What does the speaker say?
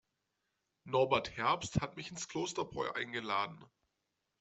Norbert Herbst hat mich ins Klosterbräu eingeladen.